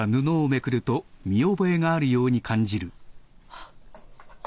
あっ！